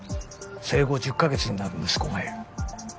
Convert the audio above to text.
生後１０か月になる息子がいる。